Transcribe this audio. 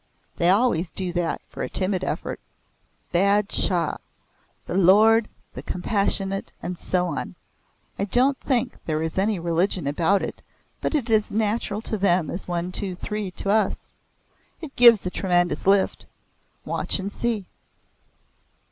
"They always do that for a timid effort. Bad shah! The Lord, the Compassionate, and so on. I don't think there is any religion about it but it is as natural to them as One, Two, Three, to us. It gives a tremendous lift. Watch and see."